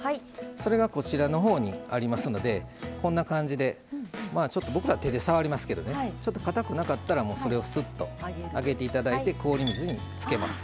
それがこちらのほうにありますのでこんな感じでまあちょっと僕らは手で触りますけどねちょっとかたくなかったらもうそれをスッとあげて頂いて氷水につけます。